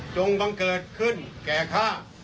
บังเกิดขึ้นแก่ข้า